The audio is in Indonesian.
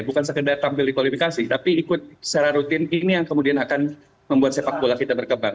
bukan sekedar tampil di kualifikasi tapi ikut secara rutin ini yang kemudian akan membuat sepak bola kita berkembang